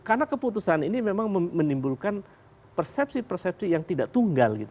karena keputusan ini memang menimbulkan persepsi persepsi yang tidak tunggal